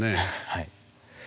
はい。